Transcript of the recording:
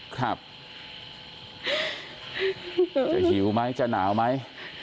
ครับจะหิวไหมจะหนาวไหม